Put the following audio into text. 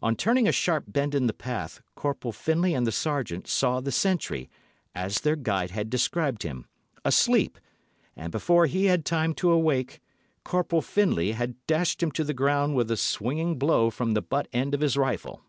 On turning a sharp bend in the path, Corporal Findlay and the Sergeant saw the sentry, as their guide had described him, asleep, and, before he had time to awake, Corporal Findlay had dashed him to the ground with a swinging blow from the butt end of his rifle.